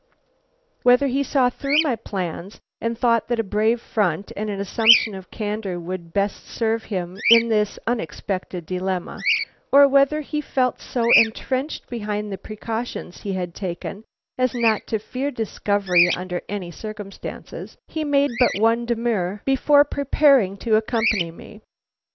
"Whether he saw through my plans and thought that a brave front and an assumption of candor would best serve him in this unexpected dilemma, or whether he felt so entrenched behind the precautions he had taken as not to fear discovery under any circumstances, he made but one demur before preparing to accompany me.